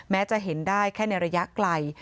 จะเห็นได้แค่ในระยะไกล